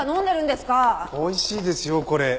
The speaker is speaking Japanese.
おいしいですよこれ。